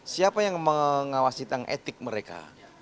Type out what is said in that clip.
siapa yang mengawasi tentang etik mereka